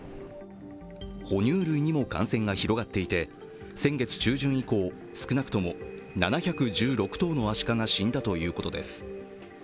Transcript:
哺乳類にも感染が広がっていて、先月中旬以降少なくとも７１６頭のアシカが死んだということです。